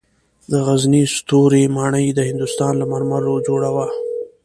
د غزني ستوري ماڼۍ د هندوستان له مرمرو جوړه وه